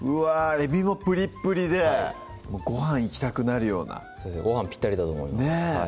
えびもプリップリではいごはんいきたくなるようなごはんぴったりだと思います